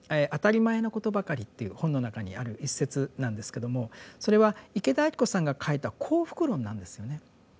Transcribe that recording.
「あたりまえなことばかり」という本の中にある一節なんですけどもそれは池田晶子さんが書いた幸福論なんですよね。